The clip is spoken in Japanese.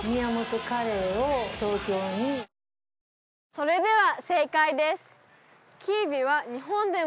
それでは正解です